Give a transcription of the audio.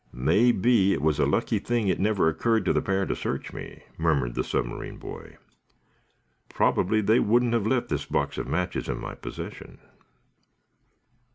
"May be it was a lucky thing it never occurred to the pair to search me," murmured the submarine boy. "Probably they wouldn't have left this box of matches in my possession."